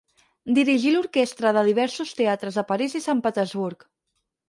Dirigí l'orquestra de diversos teatres de París i Sant Petersburg.